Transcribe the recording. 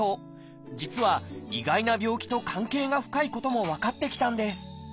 実は意外な病気と関係が深いことも分かってきたんです